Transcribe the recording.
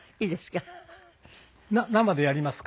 生でやりますか？